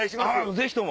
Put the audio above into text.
ぜひとも！